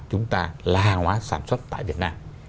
chúng ta là hàng hóa sản xuất tại việt nam